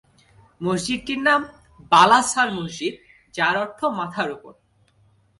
মসজিদটির নাম বালা সার মসজিদ যার অর্থ মাথার উপর।